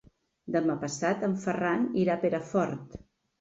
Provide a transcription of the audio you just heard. Demà passat en Ferran irà a Perafort.